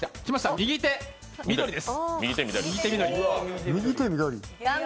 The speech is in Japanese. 右手緑です。